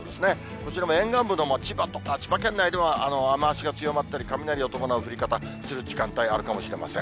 こちらも沿岸部の千葉とか、千葉県内では、雨足が強まったり、雷を伴う降り方する時間帯があるかもしれません。